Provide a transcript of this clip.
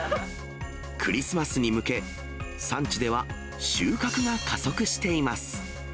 クリスマスに向け、産地では収穫が加速しています。